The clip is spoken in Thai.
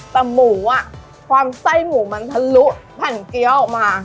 แต่หมูอ่ะความไส้หมูมันทะลุแผ่นเกี้ยวออกมา